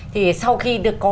thì sau khi được có